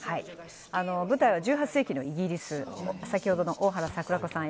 舞台は１８世紀のイギリス先ほどの大原櫻子さん